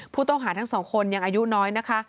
ผู้ต้องหาทั้งสองคนยังอายุน้อยนะคะ